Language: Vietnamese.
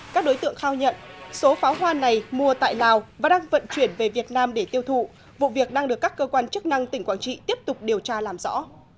các đối tượng khai nhận số pháo hoa này mua tại lào và đang vận chuyển về việt nam để tiêu thụ vụ việc đang được các cơ quan chức năng tỉnh quảng trị tiếp tục điều tra làm rõ